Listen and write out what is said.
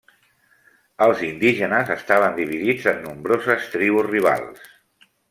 Els indígenes estaven dividits en nombroses tribus rivals.